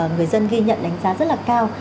người dân ghi nhận đánh giá rất là cao